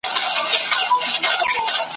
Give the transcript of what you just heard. په دې وطن کي دا څه قیامت دی ,